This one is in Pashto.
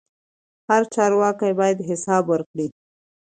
هر چارواکی باید حساب ورکړي